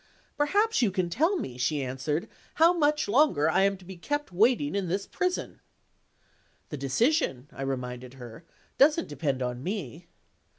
"Perhaps you can tell me," she answered, "how much longer I am to be kept waiting in this prison." "The decision," I reminded her, "doesn't depend on me."